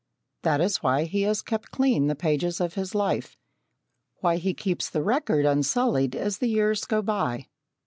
That is why he has kept clean the pages of his life why he keeps the record unsullied as the years go by.